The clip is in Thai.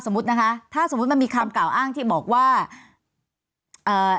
นะคะถ้าสมมุติมันมีคำกล่าวอ้างที่บอกว่าเอ่อ